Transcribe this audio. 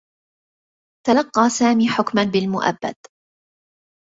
تلقّى سامي حكما بالمؤبّد.